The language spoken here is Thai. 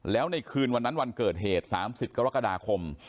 แล้วในคืนวันนั้นวันเกิดเหตุ๓๐กรกฎาคม